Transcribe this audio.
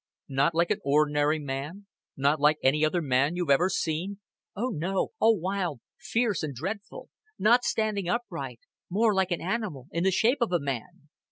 "Not like an ordinary man not like any other man you've ever seen?" "Oh, no. All wild fierce and dreadful. Not standing upright more like an animal in the shape of a man."